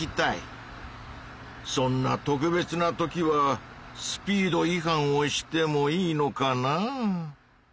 そんな特別な時はスピードい反をしてもいいのかなぁ。